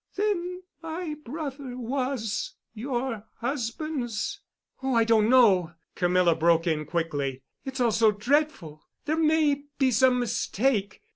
"Then my brother was—your husband's——" "Oh, I don't know," Camilla broke in quickly. "It is all so dreadful. There may be some mistake.